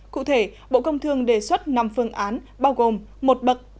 cụ thể bộ công thương đề xuất năm phương án bao gồm một bậc